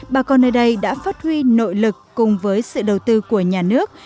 bà con nơi đây đã phát huy nội lực cùng với sự đầu tư của nhà nước